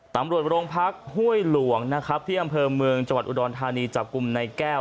ตำรวจโรงพักห้วยหลวงนะครับที่อำเภอเมืองจังหวัดอุดรธานีจับกลุ่มในแก้ว